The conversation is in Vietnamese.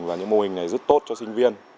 và những mô hình này rất tốt cho sinh viên